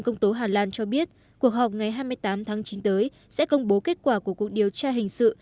công tố hà lan cho biết cuộc họp ngày hai mươi tám tháng chín tới sẽ công bố kết quả của cuộc điều tra hình sự